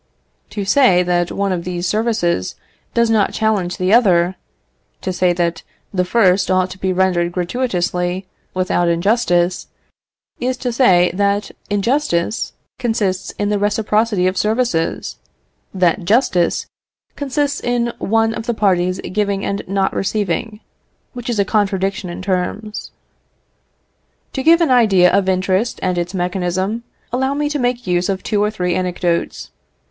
To say that one of these services does not challenge the other, to say that the first ought to be rendered gratuitously, without injustice, is to say that injustice consists in the reciprocity of services, that justice consists in one of the parties giving and not receiving, which is a contradiction in terms. To give an idea of interest and its mechanism, allow me to make use of two or three anecdotes.